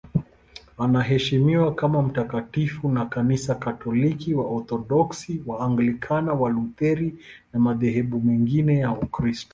Anaheshimiwa kama mtakatifu na Kanisa Katoliki, Waorthodoksi, Waanglikana, Walutheri na madhehebu mengine ya Ukristo.